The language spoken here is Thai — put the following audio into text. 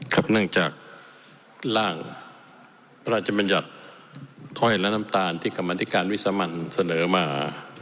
เนื่องจากร่างพระราชมัญญัติห้อยและน้ำตาลที่กรรมธิการวิสามันเสนอมา